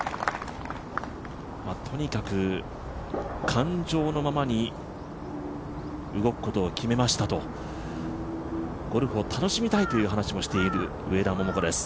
とにかく感情のままに動くことを決めましたとゴルフを楽しみたいという話もしている上田桃子です。